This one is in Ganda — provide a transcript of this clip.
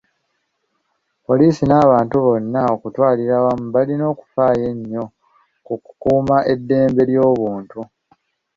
Poliisi wamu n’abantu bonna okutwalira awamu balina okufaayo ennyo ku kukuuma eddembe ly’obuntu.